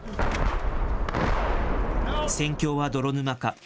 戦況は泥沼化。